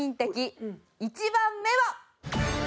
１番目は。